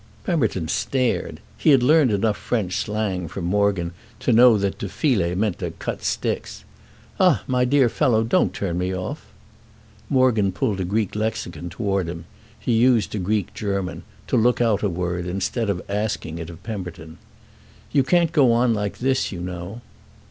Pemberton stared. He had learnt enough French slang from Morgan to know that to filer meant to cut sticks. "Ah my dear fellow, don't turn me off!" Morgan pulled a Greek lexicon toward him—he used a Greek German—to look out a word, instead of asking it of Pemberton. "You can't go on like this, you know."